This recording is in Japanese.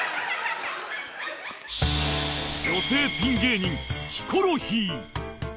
女性ピン芸人ヒコロヒー